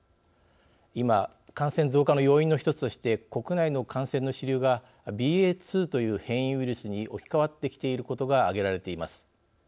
今感染増加の要因の一つとして国内の感染の主流がＢＡ．２という変異ウイルスに置き換わってきていることが挙げられています。